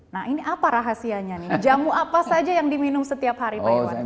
nah ini apa rahasianya nih jamu apa saja yang diminum setiap hari pak iwan